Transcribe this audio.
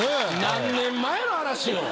何年前の話よ。